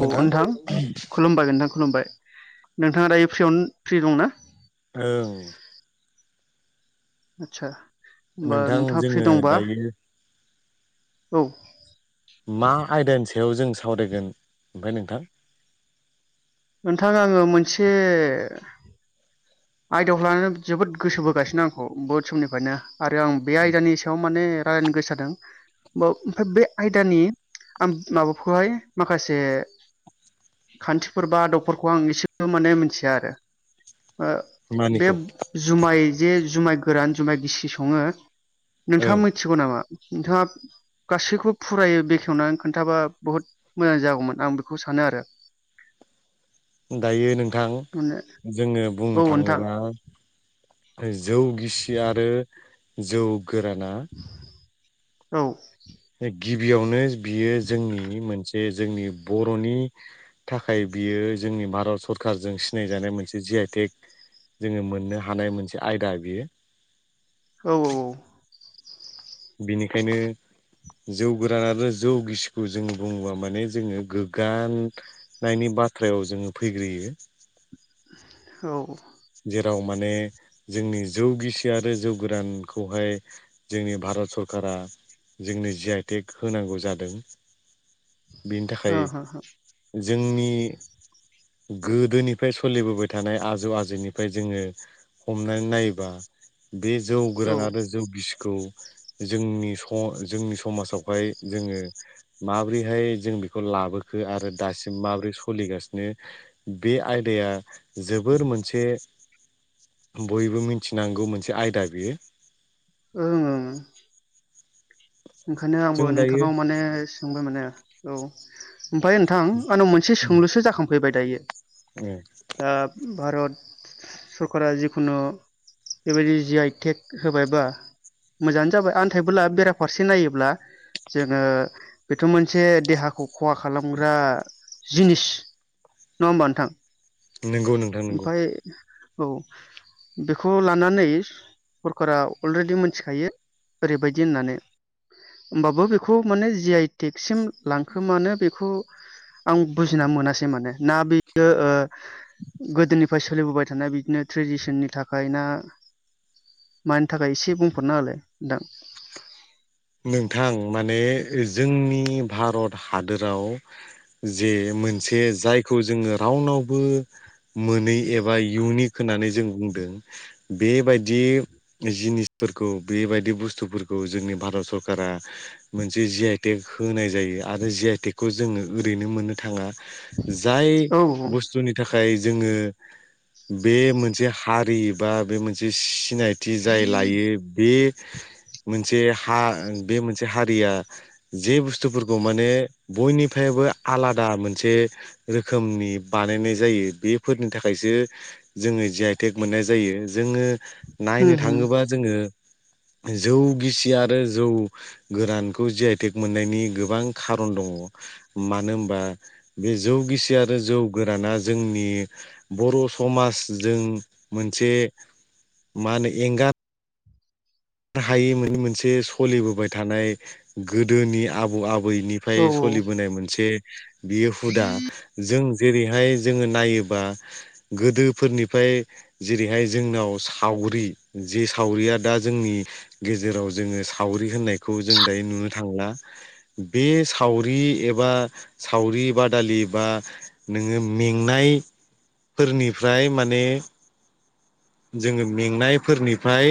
अ' नोंथां खुलुमबाय नोंथां खुलुमबाय। नोंथाङा दायो फ्रियावनो फ्रि दंना? औ आतसा नोंथां जोङो दायो औ मा आयदानि सायाव जों सावरायगोन? ओमफाय नोंथां नोंथां आङो मोनसे आयदाखौ लानानै जोबोद गोसो बोगासिनो आंखौ बहुद समनिफ्रायनो आरो आं बे आयदानि सायाव माने रायज्लायनो गोसो जादों ब ओमफ्राय बे आयदानि आं माबाखौहाय माखासे खान्थिफोर बा आदबफोरखौ आं एसेबो माने मिथिया आरो ओ बे मानिखौ जुमाय जे जुमाय गोरान जुमाय गिसि सङो नोंथाङा ओं मिथिगौ नामा नोंथाङा? गासैखौ फुरायो बेखेवनानै खोन्थाबा बहुत मोजां जागौमोन आं बेखौ सानो आरो [inaudible] दायो नोंथां माने जोङो औ बुंनो नोंथां थाङोबा जौ गिसि आरो जौ गोरान औ गिबियावनो बियो जोंनि मोनसे जोंनि बरनि थाखाय बियो जोंनि भारत सरकारजों सिनायजानाय मोनसे जि आइ‌ टेक जोङो मोननो हानाय मोनसे आयदा बियो औ औ औ बिनिखायनो जौ गोरान आरो जौ गिसिखौ जों बुङोबा माने जोङो गोग्गाननायनि बाथ्रायाव जोङो फैग्रोयो [inaudible] हो जेराव माने जोंनि जौ गिसि आरो जौ गोरानखौहाय जोंनि भा रत सरकारा जोंनो जि-आइ-टेक होनांगौ जादों बेनि थाखाय हो हो जोंनि गोदोनिफ्राय सलिबोबाय थानाय आजौ आजैनि फाय जोङो हमनानै नायोबा बे जौ औ गोरान आरो जौ गिसिखौ जोंनि स जोंनि समाजावहाय जोङो माबोरैहाय जों बेखौ ला लाबोखो आरो दासिम माब्रै सोलिगासिनो बे आयदाया जोबोर मोनसे बयबो मिथिनांगौ मोनसे आयदा बेयो ओं ओं ओंखायनो आंबो जों दायो नोंथांनाव माने सोंबाय माने औ ओमफाय नोंथां आंनाव मोनसे सों लुसो जाखांफैबाय दायो आ भारत सरकारा जिखुनु बेबायदि जि आइ टेक होबायबा मोजाङानो जाबाय आन्थायइबोला बेरा फारसे नायोब्ला जोङो बेथ मोनसे देहाखौ खहा खालामग्रा जिनिस नङा होमबा नोंथां? नंगौ नोंथां नंगौ ओमफाय औ बेखौ लानानै सरकारा अलरेडि मोनथिखायो ओरैबायदि होननानै होमबाबो बेखौ माने जि आइ टेक सिम लांखोमानो बेखौ आं बुजिना मोनासै माने ना बियो ओ गोदोनिफ्राय सोलिबोबाय थानाय बिदिनो ट्रेडिसननि थाखाय ना मानि थाखाय एसे बुंफोरना होलाय नोंथां नोंथां माने जोंनि भारत हादोराव जे मोनसे जायखौ जोङो रावनावबो मोनै एबा इउनिक होननानै जों बुं बेबायदि जिनिसफोरखौ बेबायदि बुस्थुफोरखौ जोंनि भारत सरकारा मोनसे जि आइटेक होनाय जायो आरो जि आइ टेकखौ जोङो ओरैनो मोननो थाङा जाय औ होम बुस्थुनि थाखाय थाखाय जोङो बे मोनसे हारि बा बे मोनसे सिनायथि जाय लायो बे मोनसे हा आ बे मोनसे हारिया जे बुस्थुफोरखौ माने बयनिफ्रायबो आलादा मोनसे रोखोमनि बानायनाय जायो बेफोरनि थाखायसो जोङो ज आइटेक मोननाय जायो जोङो नायनो होम थाङोबा जोङो जौ गिसि आरो जौ गोरानखौ जि आइटेक मोननायनि गोबां खारन दङ मानो होनबा बे जौ गिसि आरो जौ गोराना जोंनि बर' समाजजों मोनसे मा होनो एंगार हायि मोननि मोनसे सोलिबोबाय थानाय गोदोनि आबै आबौ औ बैनिफ्राय सोलिबोनाय मोनसे बियो हुदा जों जेरैहाय जोङो नायोबा गोदोफोरनिफ्राय जेरैहाय जोंनाव साव सावरि जे सावरिया दा जोंनि गेजेराव जोङो सावरि होननायखौ जों दायो नुनो थांला बे सावरि बे एबा सावरि बादालि बा नोङो मेंनाय फोरनिफ्राय माने जोङो मेंनायफोरनिफ्राय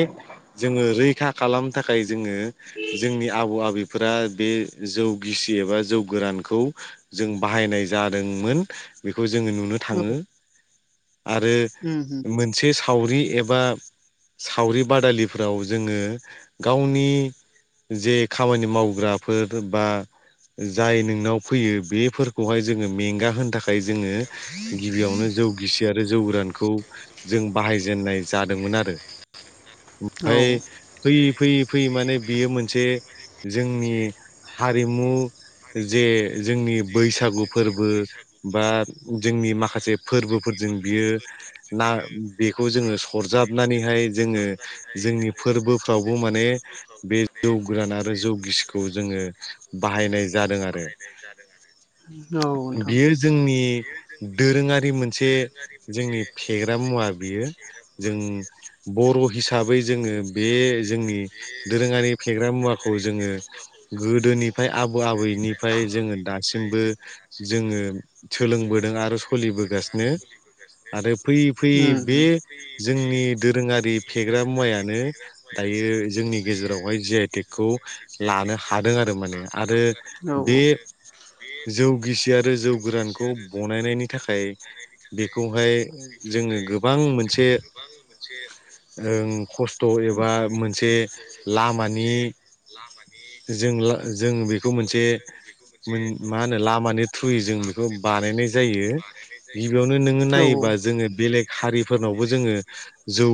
जोङो रैखा खालामनो थाखाय जोङो जोंनि आबौ आबैफोरा बे जौगिसि एबा जौ गोरानखौ जों बाहायनाय जादोंमोन बे जोङो नुनो थाङो आरो उम उम मोनसे सावरि एबा सावरि बादालिफ्राव जोङो गावनि जे खामानि मावग्राफोर बा जाय नोंनाव फैयो बेफोरखौहाय जोङो मेंगा होनो थाखाय जोङो गिबियावनो जौ गिसि आरो जौ गोरानखौ जों बाहायजेननाय जादोंमोन आरो [unintelligible] आमफ्राय बै फैयै फैयै माने बियो मोनसे जोंनि हारिमु जे जोंनि बैसागु फोरबो बा जोंनि माखासे फोरबोफोरजों बियो ना बेखौ जोङो सरजाबनानैहाय जोङो जोंनि फोरबोफ्रावबो माने बे जौ गोरान आरो जौ गिसिखौ जोङो बाहायनाय जादों आरो। औ नोंथां बियो जोंनि दोरोङारि मोनसे जोंनि फेग्रा मुवा बियो जों बर' हिसाबै जोङो बे जोंनि दोरोङारि फेग्रा मुवाखौ जोङो गोदोनिफ्राय आबौ आबैनिफ्राय जोङो दासिमबो जोङो सोलोंबोदों आरो सोलिबोगासिनो आरो फैयै उम फैयै औ बे जोंनि दोरोङारि फेग्रा मुवाया दायो जोंनि गेजेरावहाय जि आइटेक खौ लानो हादों आरो माने आरो बे जौगिसि आरो जौ गोरानखौ बनायनायनि थाखाय बेखौहाय जोङो गोबां मोनसे गोबां मोनसे ओं खस्थ एबा मोनसे लामानि जों जों बेखौ मोनसे मोन मा होनो लामानि थ्रुयै जों बेखौ बानायनाय जायो। गिबियावनो नोङो औ औ नायोबा जोङो बेलेग हारिफोरनावबो जोङो जौ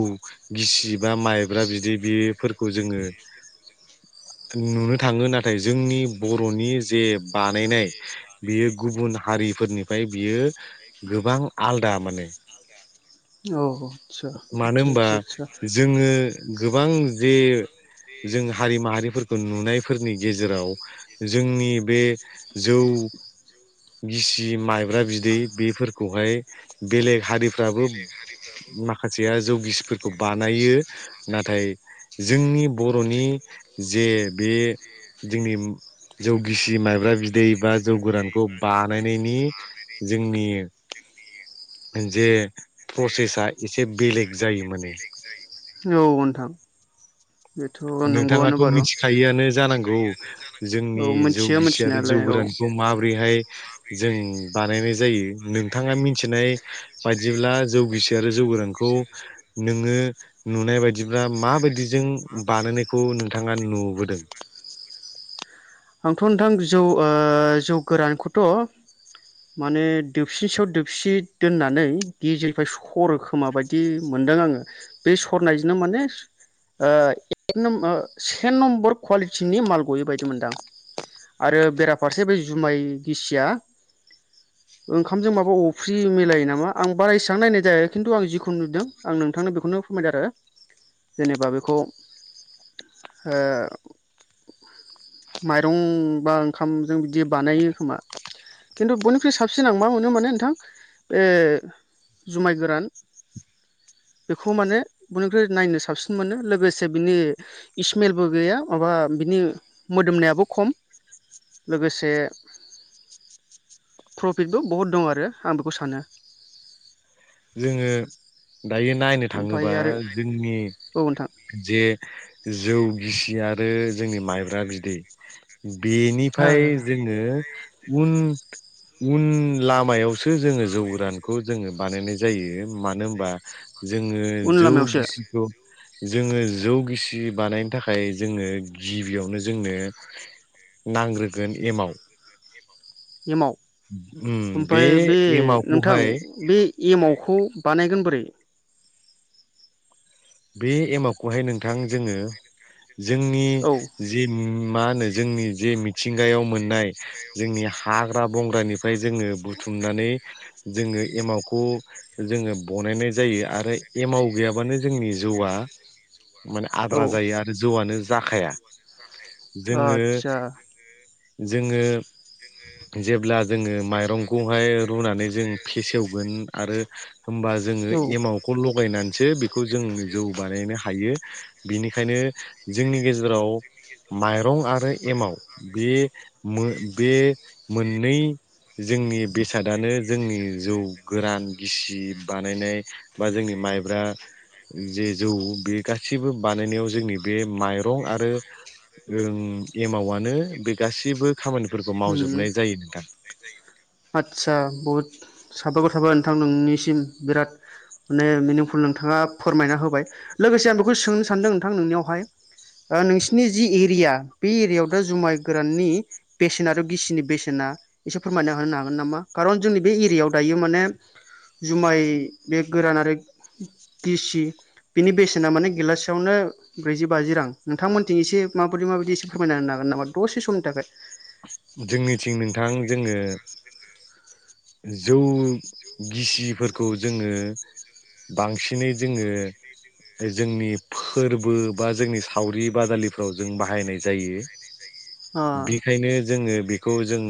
गिसि बा माइब्रा बिदि बे फोरखौ जोङो [inaudible] नुनो थाङो नाथाय जोंनि बरनि जे बानायनाय बेयो गुबुन हारि फोरनिफाय बियो गोबां आलदा माने अ आटसा आतसा मानो आसटसा होनबा आटसा जोङो गोबां जे जों हारि माहारिफोरखौ नुनायफोरनि गेजेराव जोंनि बे जौ औ गिसि माइब्रा बिदै बेफोरखौहाय बेलेग हारिफ्राबो माखासेया जौगिसफोर खौ बानायो नाथाय जोंनि बरनि जे बे जोंनिम जौ गिसि माइब्रा बिदै बा जौ गोरानखौ बानायनायनि जोंनि जोंनि जे प्रसेसाआ एसे बेलेग जायो माने औ नोंथां बेथ' नोंथाङाथ नंगौआनो बारु मिथिखायोआनो जानांगौ औ औ जोंनि जौ मिथियो गिसि आरो जौ मिथिनायालाय औ गोरानखौ माबोरैहाय जों बानायनाय जायो नोंथाङा मिथिनाय बायदिब्ला जौगिसि आरो जौ गोरानखौ नोङो नुनाय बायदिब्ला माबायदिजों बानायनायखौ नोंथाङा नुबोदों आंथ नोंथां जौ ओ जौ गोरानखौथ माने दोबसिनि सायाव दोबसि दोननानै गेजेरनिफ्राय सरोखोमा बायदि मोन नुदों आङो बे सरनायजोंनो माने ओ एक न्मब से नम्बर कुवालिटिनि माल गयै बायदि मोनदां आरो बेराफारसे बे जुमाय गिसिया ओंखामजों माबा अफ्रि मिलायो नामा आं बारा इसां नायनाय जाया खिन्थु आं जिखुन नुदों आं नोंथांनो बेखौनो फोरमायदों आरो जेनेबा बेखौ ओ माइरं बा ओंखामजों बिदि बानायो खोमा खिन्थु बयनिख्रुइ साबसिन आं मा मोनो माने नोंथां ए जुमाय गोरान बेखौ माने बयनिख्रुइ नायनो साबसिन मोनो लोगोसे बिनि इस्मेलबो गैया माबा बिनि मोदोमनायाबो खम लोगोसे प्रफिटबो बहुद दं आरो आं बेखौ सानो जोङो दायो नायनो ओमफ्राय थाङोबा आरो जोंनि औ नोंथां जे जौ गिसि आरो जोंनि माइब ब्रा बिदै ओ बेनिफाय जोङो उन उन लामायावसो जोङो जौ गोरानखौ जोङो बानायनाय जाय जायो मानो होमबा जोङो उन जौ लामायावसो गिसिखौ जोङो जौ गिसि बानायनो थाखाय जोङो गिबियावनो जोंनो नांग्रोगोन एमाव एमाव ओमफाय बे नोंथां एमावखौहाय बे एमावखौ बानायगोन बोरै बे एमाबखौहाय नोंथां जोंङो जोंनि औ जि मा होनो जोंनि जे मिथिंगायाव मोननाय जोंनि हाग्रा बंग्रानिफ्राय जोंङो बुथुम मनानै जोंङो एमावखौ जोंङो बनायनाय जायो आरो एमाव गैयाबानो जो जोंनि जौआ माने औ आद्रा जायो आरो जौआनो जाखाया ओ ओदसा जोंङो जेब्ला जोंङो माइरंखौहाय रुनानै जों फेसेवगोन आरो होमबा जोंङो औ एमावखौ लगायनानसो बेखौ जों जौ बानायनो हायो बिनिखायनो जोंनि गेजेराव माइरं आरो एमाव बे मो-बे मोननै जोंनि बेसादानो जोंनि जौ गोरान, गिसि बानायनाय बा जोंनि माइब्रा जे जौ बे गासिबो बानायनायाव जोंनि बे माइरं आरो ओं एमावनो बे गासिबो उम आतसा बहुत साबायखर थाबाय नोंथां नोंनिसिम बिराद माने मिनिंफुल नोंथांङा फोरमायना होबाय। लोगोसे आं बेखौ सोंनो सानदों नोंथां नोंनियावहाय ओ नोंसिनि जि इरिया बे इरियायाव दा जुमाय गोराननि बेसेना आरो गिसिनि बेसेना एसे फोरमायना होनो हागोन नामा? खारन जोंनि बे एरियायाव दायो माने जुमाय बे गोरान आरो गिसि बिनि बेसेना माने गेलासेयावनो ब्रैजि बाजि रां। नोंथांमोनथिं एसे माबायदि माबायदि एसे फोरमायना होनो हा गोन नामा दसे समनि थाखाय? जोंनिथिं नोंथां जोंङो जौ गिसिफोरखौ जोंङो बांसिनै जोंङो जोंनि फोरबो बा जोंनि सावरि-बादालिफ्राव जों बाहायनाय जायो। ओ बिखायनो जोंङो बिखौ जों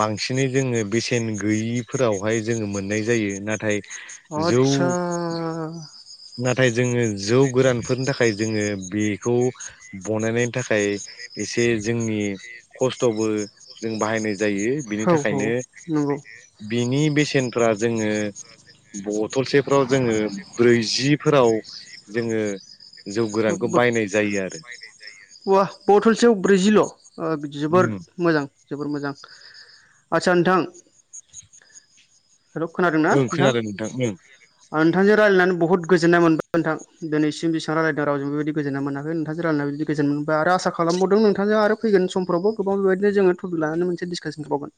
बांसिनै जोंङो बेसेन गैयिफोरावहाय जोंङो मोननाय जायो। नाथाय अ जौ आतसा नाथाय जोंङो जौ गोरानफोरनि थाखाय जोङों बेखौ बनायनायनि थाखाय एसे जोंनि खस्थ'बो जों बाहायनाय जायो। बिनि औ थाखायनो नंगौ बिनि बेसे नफ्रा जोंङो बथलसेफ्राव जोंङो ब्रैजि फोराव जोंङो जौ गोरानखौ बायनाय जायो आरो अवा बथलसेयाव ब्रैजिल' ओ जोबोर मोजां, जोबोर मोजां। आतसा नोंथां हेलौ खोनादों ना ओं नोंथां? खोनादों ओं ओ नोंथांजों रायलायनानै बहुत गोजोननाय मोनबाय नोंथां। दोनैसिम बिसिबां रायलायदों रावजोंबो बिदि गोजोननाय मोनाखै नोंथांजों रायलायनानै बिदि गोजोन मोनबाय आरो आसा खालामबावदों नोंथांजों आरो फैगोन समफ्रावबो गोबां बेबायदि जोंङो तपिक लानानै मोनसे डिसकासन खालामावगोन।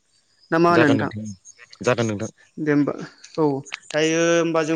जागोन नोंथां, जागोन नोंथां। दे होमबा। औ दायो होमबा जों